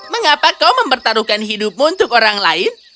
mengapa kau mempertaruhkan hidupmu untuk orang lain